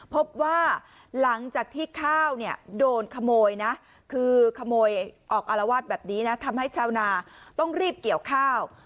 พบว่าหลังจากที่ข้าวเนี่ยโดนขโมยนะคือขโมยออกอารวาสแบบนี้นะทำให้ชาวนาต้องรีบเกี่ยวข้าว